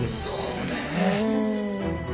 そうねえ。